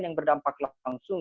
yang berdampak langsung